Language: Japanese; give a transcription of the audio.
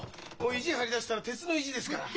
意地張りだしたら鉄の意地ですから。